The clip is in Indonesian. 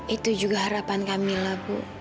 itu juga harapan kak mila bu